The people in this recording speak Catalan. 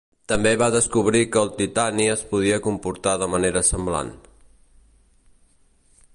També va descobrir que el titani es podia comportar de manera semblant.